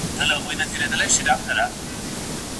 تېروتني باید د شاګرد لخوا سمي سي.